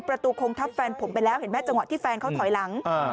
คงทับแฟนผมไปแล้วเห็นไหมจังหวะที่แฟนเขาถอยหลัง